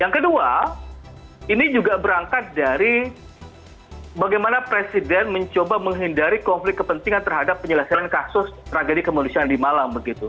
yang kedua ini juga berangkat dari bagaimana presiden mencoba menghindari konflik kepentingan terhadap penyelesaian kasus tragedi kemuliaan di malang begitu